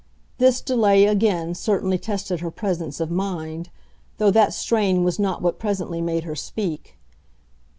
This delay, again, certainly tested her presence of mind though that strain was not what presently made her speak.